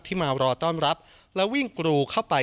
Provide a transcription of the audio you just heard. มารอต้อนรับและวิ่งกรูเข้าไป